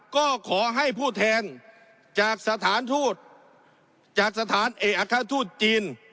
ก็ขอให้ผู้แทนจากสถานทูตจากสถานเอกอัครทูตจีน